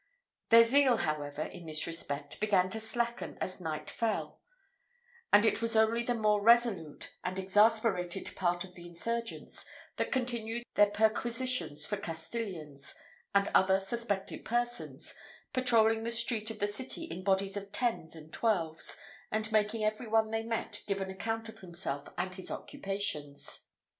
Their zeal, however, in this respect, began to slacken as night fell; and it was only the more resolute and exasperated part of the insurgents that continued their perquisitions for Castilians, and other suspected persons, patrolling the streets of the city in bodies of tens and twelves, and making every one they met give an account of himself and his occupations.